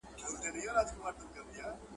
علم هڅه کوي چې پټ علتونه ومومي.